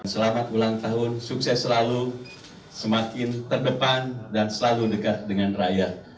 selamat ulang tahun sukses selalu semakin terdepan dan selalu dekat dengan rakyat